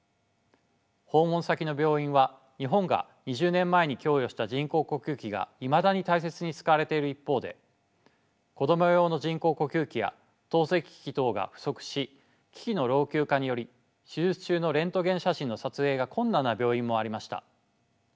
訪問先の病院は日本が２０年前に供与した人工呼吸器がいまだに大切に使われている一方で子供用の人工呼吸器や透析機器等が不足し機器の老朽化により手術中のレントゲン写真の撮影が困難な病院もありました。